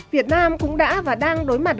việt nam cũng đã và đang đối mặt